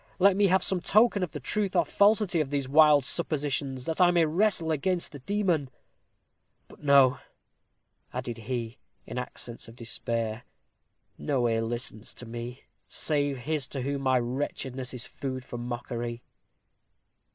Let me have some token of the truth or falsity of these wild suppositions, that I may wrestle against this demon. But no," added he, in accents of despair, "no ear listens to me, save his to whom my wretchedness is food for mockery."